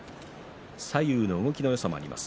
左右の動きのよさもあります。